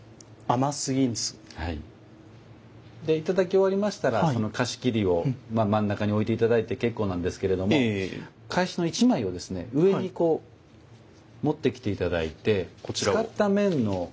で頂き終わりましたらその菓子切りを真ん中に置いて頂いて結構なんですけれども懐紙の１枚をですね上にこう持ってきて頂いて使った面の中にしまい込んでしまうといいますか。